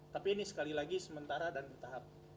tapi ini sekali lagi sementara dan bertahap